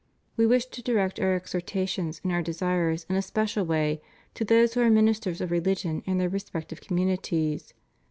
We wish to direct Our exhortation and Our desires in a special way to those who are ministers of religion in their respec tive communities.